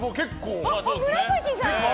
紫じゃん！